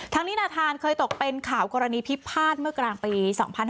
นินาธานเคยตกเป็นข่าวกรณีพิพาทเมื่อกลางปี๒๕๕๙